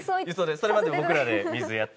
それまで僕らで水やって。